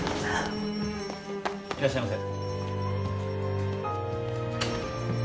いらっしゃいませ。